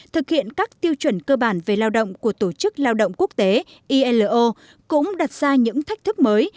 thực hiện các tiêu chuẩn cơ bản về lao động của tổ chức lao động quốc tế ilo cũng đặt ra những thách thức mới